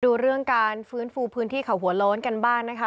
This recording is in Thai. ดูเรื่องการฟื้นฟูพื้นที่เขาหัวโล้นกันบ้างนะคะ